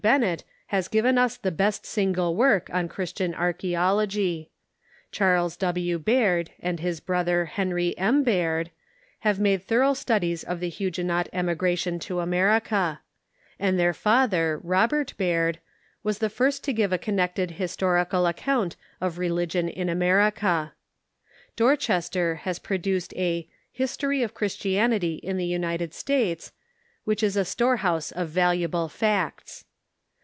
Bennett has given us the best single work on Christian Archa?ology. Charles W. Baird and his brother, Hen rv M. Baird, have made thorough studies of the Huguenot Em igration to America; and their father, Robert Baird, was the first to give a connected liistorical account of Religion in THEOLOGICAL SCIIOLAKSIIIP 635 America. Dorchester has produced a "History of Christianity in the United States," which is a storehouse of valuable facts.